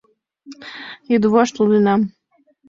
Йӱдвошт лудынам.